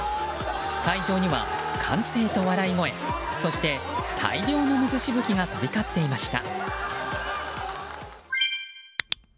海上には歓声と笑い声そして大量の水しぶきが飛び交っていました。